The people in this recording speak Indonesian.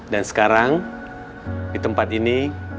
dan sekarang di tempat ini